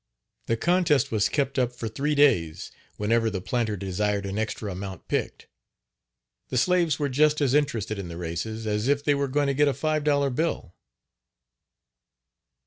The contest was kept up for three days whenever the planter desired an extra amount picked. The slaves were just as interested in the races as if they were going to get a five dollar bill.